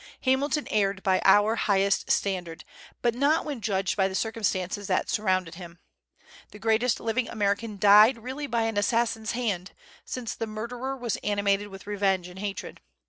Hamilton erred by our highest standard, but not when judged by the circumstances that surrounded him. The greatest living American died really by an assassin's hand, since the murderer was animated with revenge and hatred.